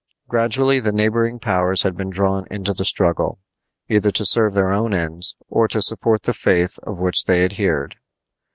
Gradually the neighboring powers had been drawn into the struggle, either to serve their own ends or to support the faith to which they adhered.